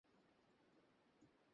ডানদিকের উপরে আরো মিশাইল রয়েছে।